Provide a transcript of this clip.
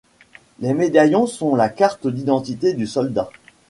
Les médaillons sont la carte d’identité du soldat.